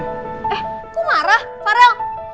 eh kok marah farel